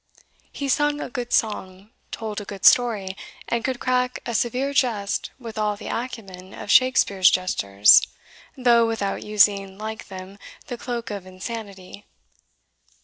He, sung a good song, told a good story, and could crack a severe jest with all the acumen of Shakespeare's jesters, though without using, like them, the cloak of insanity.